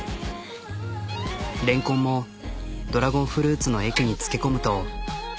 レンコンもドラゴンフルーツの液につけ込むと。